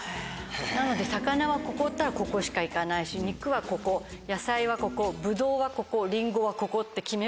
なので魚はここっていったらここしか行かないし肉はここ野菜はここブドウはここリンゴはここって決めると。